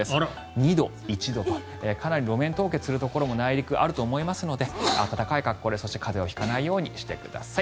２度、１度とかなり路面凍結するところも内陸、あると思いますので暖かい格好でそして、風邪を引かないようにしてください。